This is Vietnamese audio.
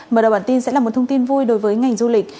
mở đầu bản tin sẽ là một thông tin vui đối với ngành du lịch